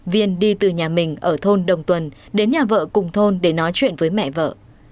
viên đi từ nhà mình ở thôn đồng tuần đến nhà vợ cùng thôn để nói chuyện với mẹ vợ